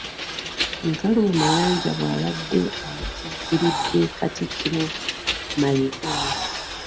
Nkalubo Mayanja bw'abadde akiikiridde Katikkiro Mayiga